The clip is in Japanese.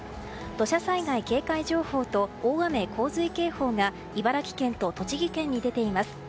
土砂災害警戒情報と大雨・洪水警報が茨城県と栃木県に出ています。